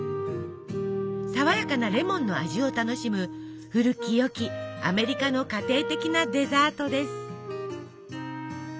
爽やかなレモンの味を楽しむ古きよきアメリカの家庭的なデザートです。